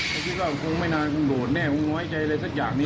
ก็คิดว่าคงไม่นานคงโดดแน่คงน้อยใจอะไรสักอย่างนี้